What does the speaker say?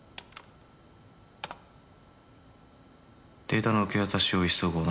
「データの受け渡しを急ごう。